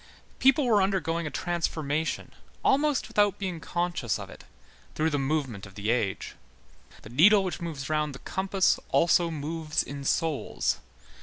People were undergoing a transformation, almost without being conscious of it, through the movement of the age. The needle which moves round the compass also moves in souls.